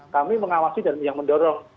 kami mengawasi dan mendorong